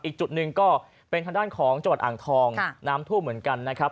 อีกจุดหนึ่งก็เป็นทางด้านของจังหวัดอ่างทองน้ำท่วมเหมือนกันนะครับ